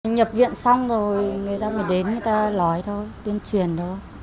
nhập viện xong rồi người ta mới đến người ta nói thôi tuyên truyền thôi